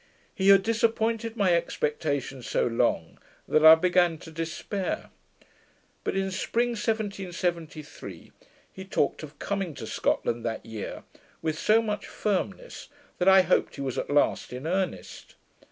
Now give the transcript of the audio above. He had disappointed my expectations so long, that I began to despair; but in spring, 1773, he talked of coming to Scotland that year with so much firmness, that I hoped he was at last in earnest.